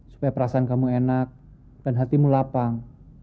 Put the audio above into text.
supaya perasaan kamu enak dan hatimu lapang